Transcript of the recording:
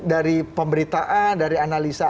dari pemberitaan dari analisa